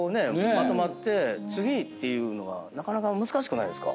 まとまって次っていうのがなかなか難しくないですか？